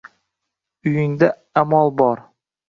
Uyingda amol bo-or!